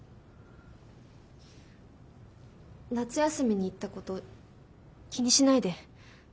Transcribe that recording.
夏休みに言ったこと気にしないで。